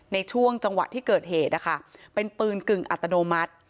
ในช่วงจังหวะที่เกิดเหตุนะคะเป็นปืนกึ่งอัตโนมัติ